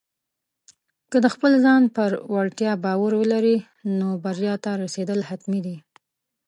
که د خپل ځان پر وړتیا باور لرې، نو بریا ته رسېدل حتمي دي.